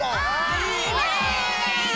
いいね！